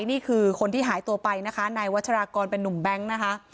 นี่คือคนที่หายตัวไปนะคะนายวัชรากรเป็นนุ่มแบงค์นะคะ